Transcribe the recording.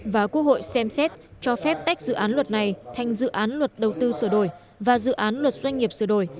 và quốc hội xem xét cho phép tách dự án luật này thành dự án luật đầu tư sửa đổi và dự án luật doanh nghiệp sửa đổi